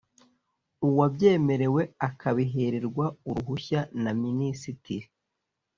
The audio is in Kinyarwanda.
Uwabyemerewe akabihererwa uruhushya na Minisitiri